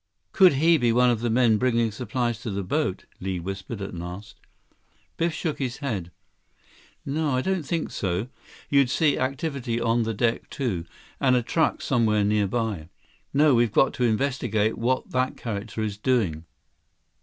"Could he be one of the men bringing supplies to the boat?" Li whispered at last. Biff shook his head. "No. I don't think so. You'd see activity on the deck, too, and a truck somewhere nearby. No, we've got to investigate what that character is doing."